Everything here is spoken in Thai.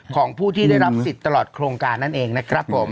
ของผู้ที่ได้รับสิทธิ์ตลอดโครงการนั่นเองนะครับผม